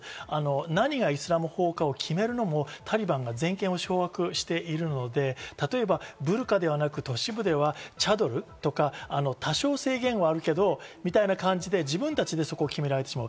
何がイスラム法かを決めるのもタリバンが全権を掌握しているので、例えばブルカではなく都市部ではチャドルとか、多少制限はあるけれどもみたいな感じで自分たちでそこを決められてしまう。